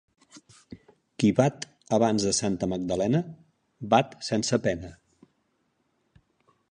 Qui bat abans de Santa Magdalena, bat sense pena.